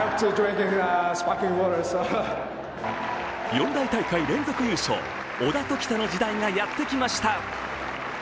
四大大会連続優勝、小田凱人の時代がやってきました。